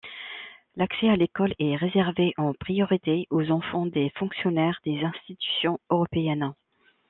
L'accès à l'école est réservé en priorité aux enfants des fonctionnaires des institutions européennes.